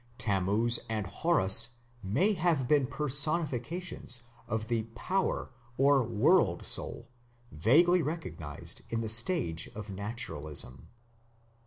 Tammuz and Horus may have been personifications of the Power or World Soul vaguely recognized in the stage of Naturalism.